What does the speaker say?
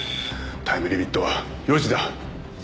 タイムリミットは４時だ。